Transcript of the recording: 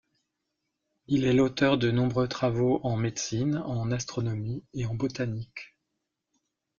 Il est l'auteur de nombreux travaux en médecine, en astronomie et en botanique.